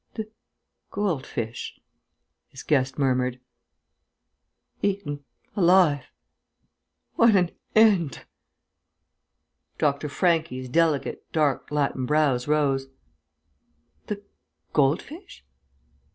"The gold fish," his guest murmured. "Eaten alive ... what an end!" Dr. Franchi's delicate, dark Latin brows rose. "The gold fish?